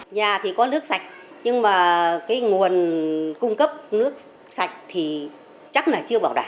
nhà thì có nước sạch nhưng mà cái nguồn cung cấp nước sạch thì chắc là chưa bảo đảm